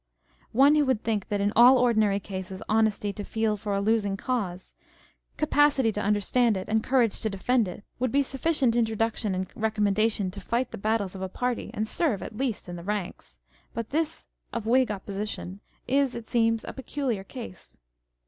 One would think that in all ordinary cases honesty to feel for a losing cause, capacity to understand it, and courage to defend it, would be sufficient intro duction and recommendation to fight the battles of a party, and serve at least in the ranks. But this of Whig Opposition is, it seems, a peculiar case.